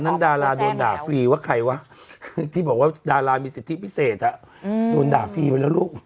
ตอนนั้นดาราดูดาฟรีทว่าใครฮะที่บอกว่ะดารามีเศรษฐ์ที่พิเศษโด่นดาฟรีไปแล้วลูก